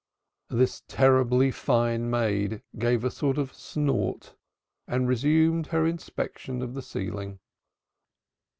The terribly fine maid gave a kind of snort and resumed her inspection of the ceiling.